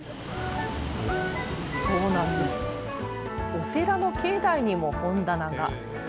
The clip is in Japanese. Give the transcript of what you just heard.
お寺の境内にも本棚が。